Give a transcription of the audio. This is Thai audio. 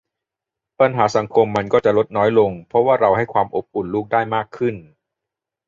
ปัญหาสังคมมันก็จะลดน้อยลงเพราะว่าเราให้ความอบอุ่นลูกได้มากขึ้น